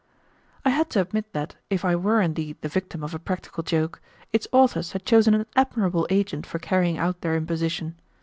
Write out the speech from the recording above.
I had to admit that, if I were indeed the victim of a practical joke, its authors had chosen an admirable agent for carrying out their imposition.